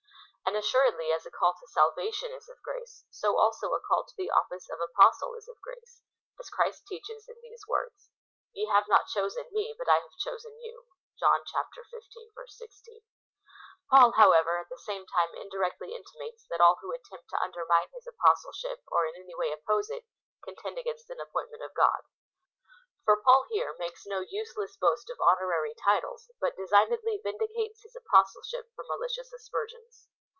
And assuredly as a call to salva tion is of grace, so also a call to the office of apostle is of grace, as Christ teaches in these words :" Ye have not chosen me, but I have chosen you,'' (John xv. 16.) Paul, however, at the same time indirectly intimates, that all who attempt to undermine his apostleship, or in any way oppose it, contend against an appointment of God. For Paul here makes no useless boast of honorary titles, but designedly vindicates his apostleship from malicious aspersions.